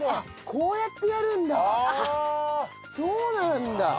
そうなんだ。